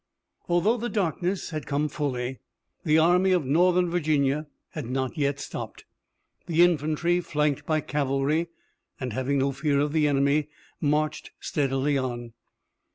Although the darkness had come fully, the Army of Northern Virginia had not yet stopped. The infantry flanked by cavalry, and, having no fear of the enemy, marched steadily on.